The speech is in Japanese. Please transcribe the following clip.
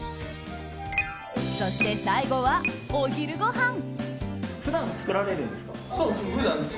そして最後は、お昼ごはん。